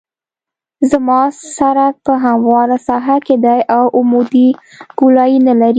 زما سرک په همواره ساحه کې دی او عمودي ګولایي نلري